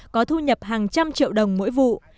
có thu nhập hàng trăm triệu đồng mỗi vụ